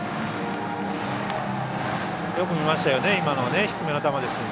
よく見ました、今の低めの球。